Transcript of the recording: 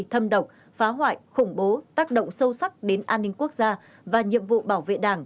thâm độc phá hoại khủng bố tác động sâu sắc đến an ninh quốc gia và nhiệm vụ bảo vệ đảng